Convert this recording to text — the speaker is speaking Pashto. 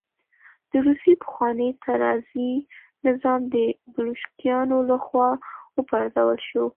د روسیې پخوانی تزاري نظام د بلشویکانو له خوا وپرځول شو